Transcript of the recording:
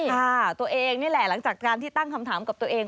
ค่ะตัวเองนี่แหละหลังจากการที่ตั้งคำถามกับตัวเอง